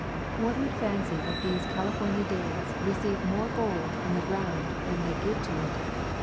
One would fancy that these Cali fornia days receive more gold from the ground than they give to it.